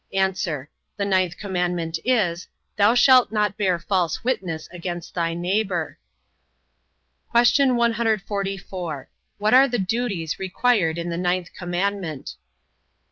A. The ninth commandment is, Thou shalt not bear false witness against thy neighbour. Q. 144. What are the duties required in the ninth commandment?